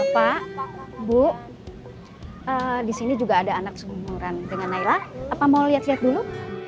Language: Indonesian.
pak bu disini juga ada anak seumuran dengan naila apa mau lihat lihat dulu